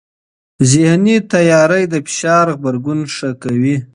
ذهني تیاری د فشار غبرګون ښه کوي.